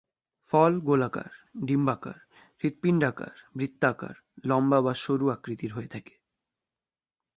ফল গোলাকার, ডিম্বাকার, হূৎপিন্ডাকার, বৃত্তাকার, লম্বা বা সরু আকৃতির হয়ে থাকে।